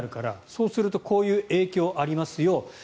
そうするとこういう影響ありますよ。